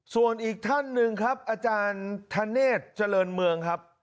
ส่วนอีกท่านหนึ่งครับอาจารย์ธเนธเจริญเมืองครับ